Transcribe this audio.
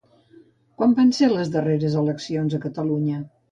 Quan van ser les darreres eleccions a Catalunya?